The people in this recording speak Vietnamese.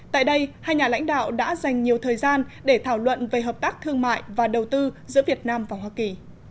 tại đây hai nhà lãnh đạo đã dành nhiều thời gian để thảo luận về hợp tác thương mại và đầu tư giữa việt nam và hoa kỳ